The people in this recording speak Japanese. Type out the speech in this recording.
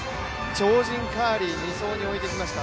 超人カーリー、２走に置いてきました。